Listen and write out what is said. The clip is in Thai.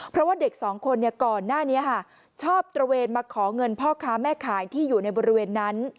เพราะว่าเด็กสองคนก่อนหน้านี้ชอบตระเวนมาขอเงินพ่อค้าแม่ขายที่อยู่ในบริเวณนั้น